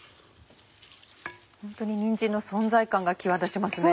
ホントににんじんの存在感が際立ちますね。